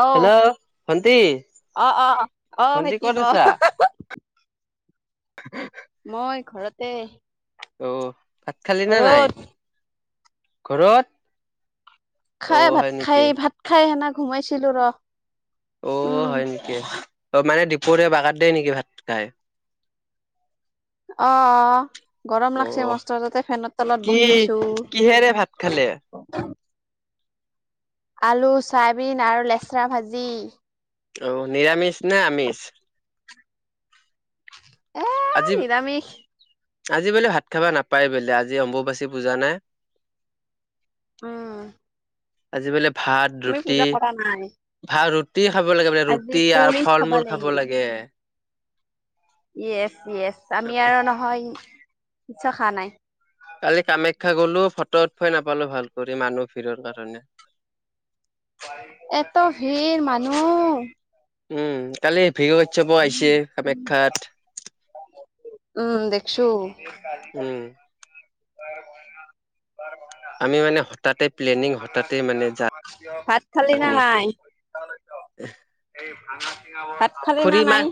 আহ হেল্ল' ভন্টি আহ অ আহ ভন্টি খেতি ক'ত ক আছা [unintelligible] [unintelligible] মই ঘৰতে অ' ভাত খালি নে নাই? ঘৰত ঘৰত অ খাই ভাত হয় খাই নেকি ভাত খাই সেদিনা ঘোমাইছিলো ৰ, ' অ, 'হয় নেকি অ' মানে দপৰীয়া বাগাত দিয়েই নেকি ভাত খাই? অ' গৰম অ লাগছে মস্ত তাতে ফেনৰত তলত কি বহি আছো। কিহেৰে ভাত খালে? আলু চয়াবিন আৰু লেচৰা ভাজি। অ' নিৰামিষ নে আমিষ? এ আজি নিৰামিষ আজি বোলে ভাত খাবা নাপায় বোলে আজি অম্বুবাচী পূজা নে উম আজি পালি ভাত আমি ৰুটি পূজা কৰা নাই ভাত ৰু ৰুটি খাব লাগে বোলে আজি ৰুটি আৰু ফল মূল খাব লাগে য়েচ য়েচ আমি আৰু নহয় কিচ্ছু খোৱা নাই কালি কামাখ্যা গলো ফটো উত খুৱাই নাপালো ভাল কৰি মানুহ ভিৰৰ কাৰণে এত ভিৰ মানুহ উম কালি ভ্ৰিগু ক্যাইৎসৱ আহিছে কামাখ্যাত উম দেখছো। উম। আমি মানে হঠাতে প্লেনিং হঠাতে মানে যা ভাত খালি না নাই [inaudible] খালি না খুৰী মা নাই?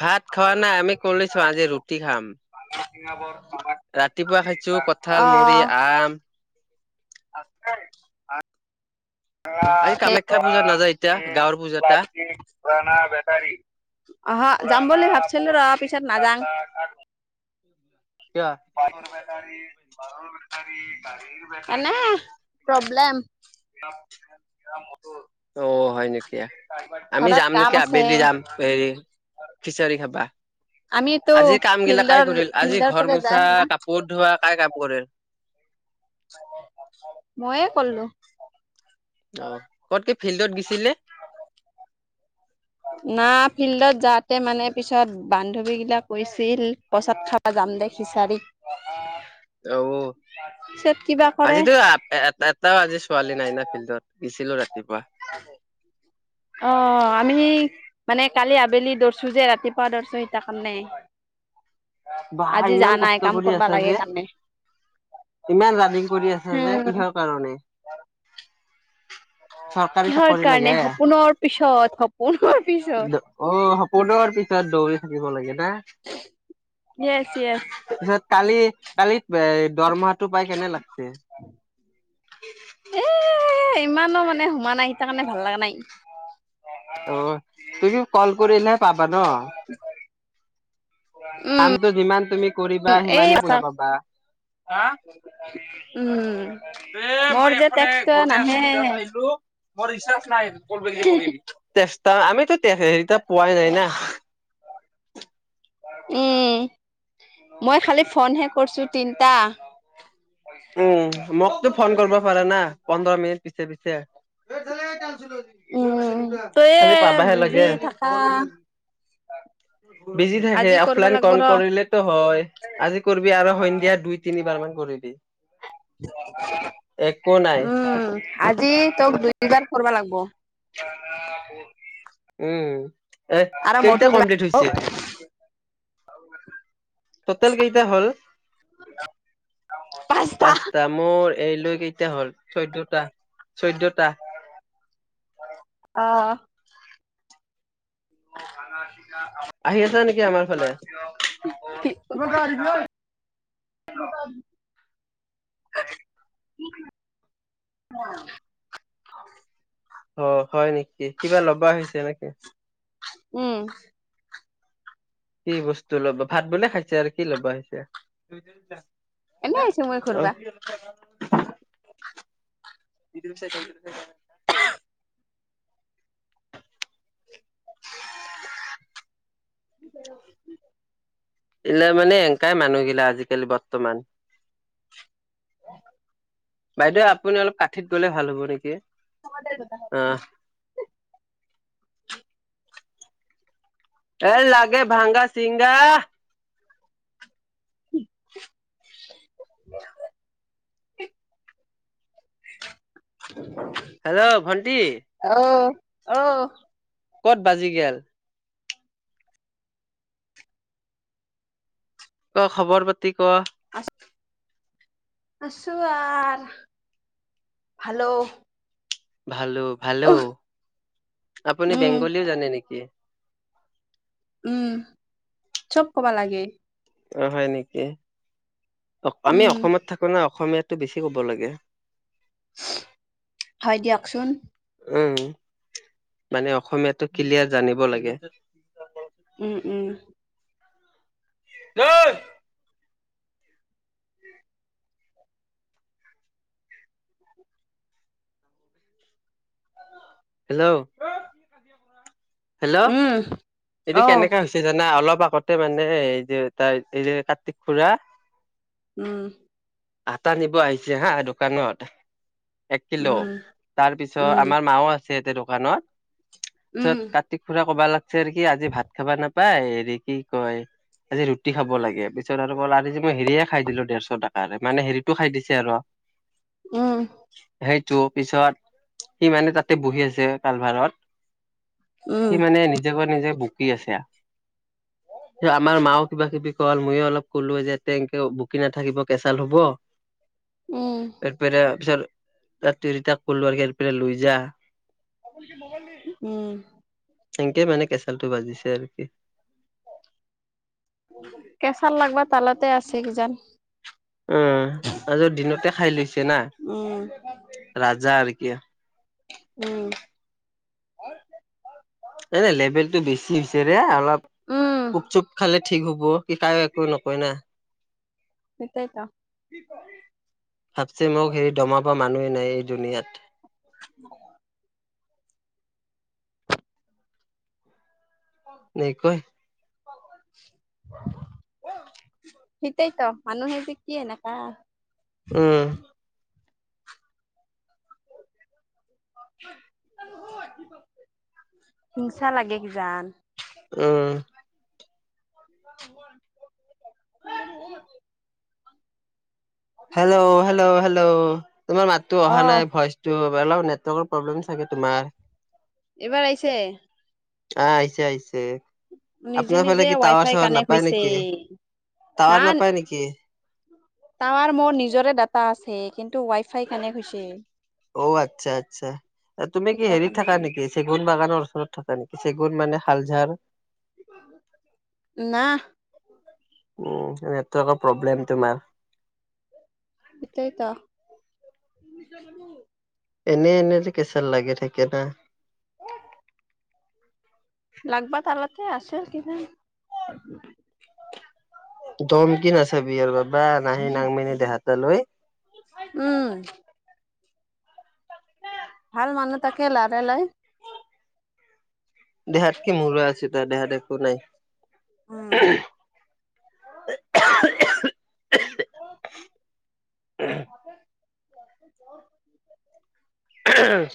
ভাত খোৱা নাই আমি কলোচোন আজি ৰুটি খাম [inaudible] ৰাতিপুৱা খাইছো কঁঠাল মুড়ি অহ, আম [inaudible] [unintelligible] কামাখ্যা লোহা পূজাত নাযায় এতিয়া তিং গাঁৱৰ পূজাত তা প্লাচটিক পুৰণা বেটাৰী আহা যাম বুলি ভাবছিলো ৰ পিছত নাযাং কিয় [inaudible] এনে প্ৰব্লেম [unintelligible] অ হয় নেকি আমি ঘৰত যাম কাম নেকি আছে। আবেলি যাম হেৰি খিচাৰী খাবা আমিতো আজি কাম গিলা কাই ফিল্ডৰ কৰিল আজি ফিল্ডৰ ঘৰ ফালে যাই মুচা শুনা কাপোৰ ধোৱা কাই কাম কৰিল ময়ে কৰিলো অ তই ফিল্ডত গিছিলি না ফিল্ডত যাতে মানে পিছত বান্ধৱী গিলাক কৈছিল পচাদ খাব য যাম দে খিচাৰীত উ কৰে আজিতো এ এটাও আজি ছোৱালী নাই না ফিল্ডত গছিলো ৰাতিপুৱা অ আমি মানে কালি আবেলি দৌৰিছো যে ৰাতিপুৱা দৌৰছো সতিাৰ কাৰণে বাহ আজি যা ইমান নাই কষ্ট কাম কৰি কৰবা আছা লাগে যে কাৰণে ইমান ৰাণিং কৰি আছা যে হম কিহৰ কাৰণে চৰকাৰী কিহৰ চাকৰি লাগে। কাৰণে সপোনৰ পিছত সোপনৰ অ সপোনৰ পিছত দৌৰি থাকিব লাগে না য়েছ য়েছ তাৰপিছত কালি কালিত দৰমহাটো পাই কেনে লাগছে [unintelligible] এ ইমানো মানে সোমা নাই সেই তাৰ কাৰণে ভাল লগা নাই অ তুমি কল কৰিলেহে পাবা ন উম কামটো যিমান তুমি কৰিবা এই সিমানে পইচা পাবা। হা উম এ মোৰ মই যে এখনে টেক্সটো ঘৰতে নাহে আছো জাচ্ট আহিলো মোৰ ৰিচাৰ্জ নাই [unintelligible] আমিতো তেখে হেৰিতা পোৱাই নাই না। উম, মই খালি ফনহে কৰিছো তিনটা। উম, মোকতো ফন কৰিব পাৰা না, পোন্ধৰ মিনিট পিছে পিছে। উম তইয়ে খালি পাবাহে বিজি লাগে। থাকা [inaudible] বিজি থাকে, আজি কৰবা অফলাইন লাগব কন ৰ কৰিলেতো হয়। আজি কৰবি আৰু সন্ধিয়া দুই তিনিবাৰ মান। কৰি দি নাই উম, আজি তোক দুইবাৰ কৰবা লাগব'। [inaudible] উম, এ আৰু কেইটা মধুক কমপ্লিট হৈছে? [inaudible] টোটেল কেইটা হ'ল? পাঁচটা, মোৰ এই লৈকেইটা হ'ল চৈধ্যটা চৈধ্যটা। অহ' আহি আছা নেকি [unintelligible] আমাৰ ফালে [unintelligible] কি কৰি অহ' অ' হয় নেকি কিবা ল'বা আহিছা নেকি? উম। কি বস্তু ল'ব ভাত বোলে খাইছা আৰু কি ল'বা আহিছা? এনে আহিছো মই ঘূৰবা। অহ' [unintelligible] [unintelligible] [unintelligible] এলে মানে এনেকাই মানুহগিলা আজিকালি বৰ্তমান। [inaudible] বাইদেউ, আপুনি অলপ কাঠিত গ'লে ভাল হ'ব নেকি আহ। [inaudible] এ লাগে ভাংগা চিংগা। [inaudible] [inaudible] হেল্ল'! ভণ্টি। অউহ ক'ত বাজি গেল? ক'ৰ খবৰ পাতি ক'ৰ? আছোঁ আহ, হেল্ল' ভালোঁ ভালোঁ আপুনি উম বেংগলী ও জানে নেকি? উম, চ'ব কবা লাগে। অ' হয় নেকি, আমি উম অসমত থাকো না অসমীয়াত তই বেছি ক'ব লাগে। হয়, দিয়কচোন। উম, মানে অসমীয়াটো ক্লিয়াৰ জানিব লাগে। উম উম ঐ হেল্ল' হেল্ল' উম এইটো অহ কেনেকা হৈছে জানা অলপ পাকতে মানে এই যে তাৰ এই যে কাটিক খুৰা উম। আটা নিব আহিছে হা দোকানত। এক কিলো, উম তাৰপিছত উম আমাৰ মাও আছে, তেনেকা ন। পিছত উম কাটিক খুৰা কবা ওলাইছে নেকি আজি ভাত খাবা নাপায়, হেৰি কি কয় আজি ৰুটি খাব লাগে, পিছত আৰু কল আজি মই হেৰিয়ে খাই দিলোঁ দেৰশ টে মানে হেৰিতটো খাই দিছে আৰু উম। টো পিছত সি মানে তাতে বহি আছে কালভাৰত, সি উম মানে তাপা নিজে বুকি আছে, আমাৰ মাও কিবা-কিবি কল ময়ো অলপ ক'লো যে তেনকে বকি নাথাকিব কেচাল হ'ব। উম এইপিনে তাৰ পিছত ৰাতিত' কলোঁ আহ ইয়াৰ পৰা লৈ যাৰ। উম। সেনেকে মানে কেঁচালটো বাজিছে আৰু কি। কেচাল লাগবা তালাতে আছে কিজানি। উম, আজিও দিনতে খাই লৈছে না উম ৰাজা আৰু কি উম, এনে লেভেলতটো বেছি হৈছেৰে অলপ উম কুপ চুপ খালে ঠিক হ'ব। কায়ো একো নকয় না সেইতাইত। ভাবছি মোক সেই দমাব মানুহেই নাই এই দুনীয়াত। [inaudible] [unintelligible] [inaudible] সেইটাইতো মানুহেযি কি এনেকা। উম [inaudible] হিংসা লাগে কিজান উম, [inaudible] [inaudible] হেল্ল' হেল্ল' হেল্ল' তোমাৰ মাতটো অহা অহ নাই ভইচটো। মোবাইল নেটৱৰ্কৰ প্ৰব্লেম চাগে তোমাৰ। এইবাৰ আহিছে? আ আহিছে আহিছে নিজে আপোনাৰ নিজে ফালে কি ৱাই টাৱাৰ ফাই চাৱাৰ কানেক্ট নাপায় হৈছে নেকি? তাৱাৰ নাপায় নিকি? তাৱাৰ মোৰ নিজৰে দাতা আছে কিন্তু ৱাই ফাই কাৰনে কৈছে। অ আচ্ছা আচ্ছা। তুমি কি সেইটা হেৰিত কাৰণে থাকা নিকি চেগুন বাগানৰ ওচৰত থাকা নেকি চেগুন মানে শালঝাৰ। না উম নেটটো অলপ প্ৰব্লেম তোমাৰ। সেইতাইত। এনেই এনেই যে কেচেল লাগি থাকে না লাগবা তালতে আছে কিজা দম কি নাচাবি আৰু বা নাহি নাংমিনি দেহাতো লৈ। উম ভাল মানুহ তাকে লাদে লয়। দেহাত কি মূৰা আছে তাৰ দেহাত একো উম নাই। উ [inaudible] আহ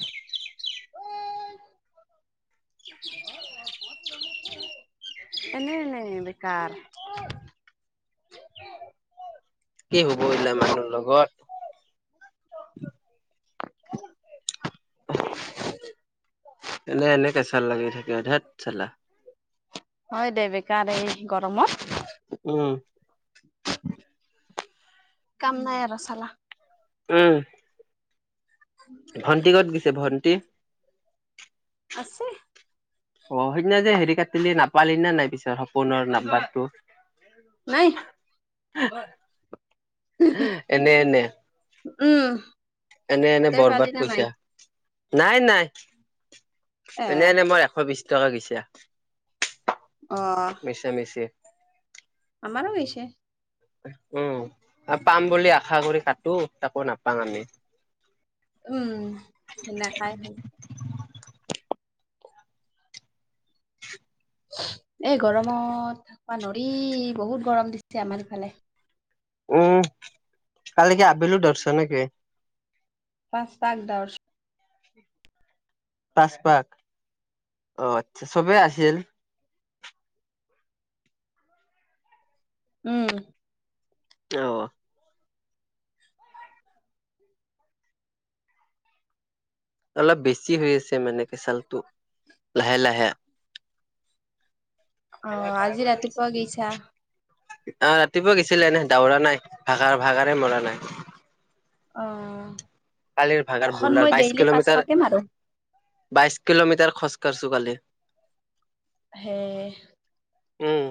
[inaudible] এনেই এনেই বেকাৰ। [inaudible] কি হ'ব এইবিলাক মানুহৰ লগত [inaudible] এলে এলে কেঁচাল লাগি থাকে ধেত চাল্লা। হয় দে বেকাৰ এই গৰমত উম [inaudible] কাম নাই আৰু চাল্লা উম, ভণ্টি ক'ত গৈছে ভণ্টি? আছে। অ' সেইদিনা যে হেৰি কাটিলি নাপালি নে নাই পিছত সপোনৰ নাম্বাৰটো। নাই। এনে এনে উম। এনে এনে তই পালি বৰবাদ না নাই পইছা নাই নাই এ এনেই এনেই মই এশ বিশ টকা গৈছে। অ মিছা মিছি। মানুহ গৈছে। উম, পাম বুলি আশা কৰি কাটো তাকো নাপাং আমি। উম, সেনেকাই হয়। এই গৰমত থাকবা নৰি বহুত গৰম দিছে আমাৰ ইফালে। উম, কালি কি আবেলি দৌৰচা নেকি? পাচ পাক দাৱৰচু। পাচ পাক, অ' আচ্ছা চবেই আছিল। উম। অ'। অলপ বেছি হৈ আছে মানে কেচালটো লাহে লাহে। অ আজি ৰাতি পুৱা গৈছা অ, ৰাতিপুৱা গেছিলো এনে দাউৰা নাই ভাগাৰ ভাগাৰে মৰা নাই। অ কালিৰ ভাগাৰ অখন বুলাৰ মই বাইশ ডেইলি কিলোমিটাৰ পাঁচশকে মাৰো বাইশ কিলোমিটাৰ খজ কাৰচো। তো কালি হে উম।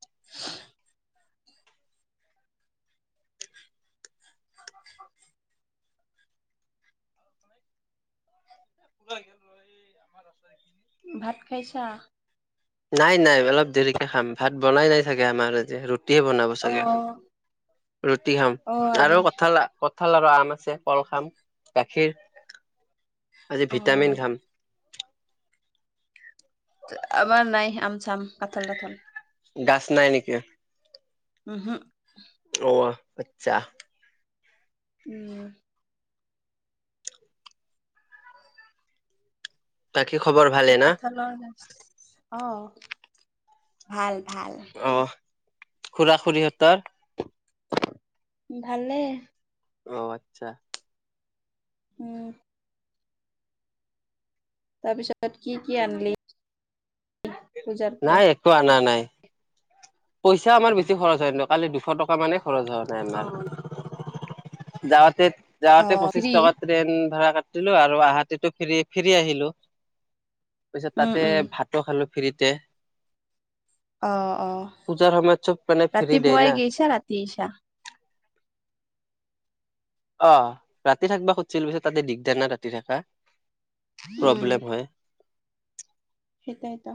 [unintelligible] [unintelligible] [unintelligible] ভাত খাইছা? নাই নাই অলপ দেৰিকে খাম ভাত বনাই নাই চাগে আমাৰ আজি ৰুত ৰুটি বনাব অ চাগে, ৰুটি খাম অ আৰু আজি কঠাল কঁঠাল আৰু আম আছে কল খাম গাখীৰ, আজি অ ভিটামিন খাম। আমাৰ নাই আম চাম কঠাল তাঠাল। দাছ নাই নেকি? উম হুম। অ', আচ্ছা। উম। কি খবৰ ভালে না। কাঠলৰ গছ অ, ভাল ভাল। অ খুৰা খুৰীহঁতৰ ভালে। অ আচ্ছা উম তাৰপিছত কি কি আনলি। নাই একো আনা নাই। পইচা আমাৰ বেছি খৰচ হয় ন কালি দুশ টকা মানে খৰচ হোৱা অ নাই আমাৰ। যাওঁতে, অ যাওঁতে পঁচিছ ফ্ৰী টকাত ট্ৰেন ভাৰা। লো আৰু আহোতেতো ফ্ৰী ফ্ৰীয়ে আহিলো পিছত উম তাতে উম ভাতো খালো। ফ্ৰীতে অ, অ, পূজাৰ সময়ত চব মানে ফ্ৰী দেই না ৰাতিপুৱাই গেইছা ৰাতি আইছা। অ, ৰাতি থাকবা খুজছিলোঁ পিছত তাতে দিগদাৰ না ৰাতি থাকা। প্ৰব্লেম হয়। সেইতাই তো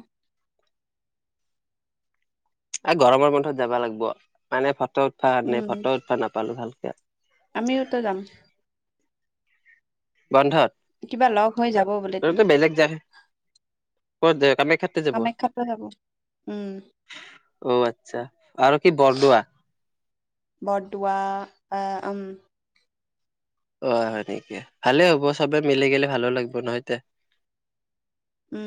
এই গৰমৰ বন্ধত যাবা লাগিব। মানে ফটো উঠৱা, আনে উম ফটো উঠৱা নাপালো ভালকে। আমিওতো যাম। বন্ধত। কিবা লগ হৈ যাব বোলেতো কামাখ্যাতে যাব কামাখ্যাত লৈ যাব উম। অ আচ্ছা আৰু কি বৰদোৱা। বৰদোৱা। [unintelligible] অহ' হয় নেকি? ভালে হ'ব চবে মিলি গ'লে ভালো লাগিব নহয় তে। উম'।